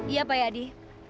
iya pak yadi